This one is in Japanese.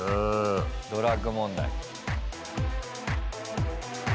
「ドラッグ問題」。